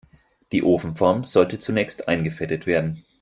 Die Ofenform sollte zunächst eingefettet werden.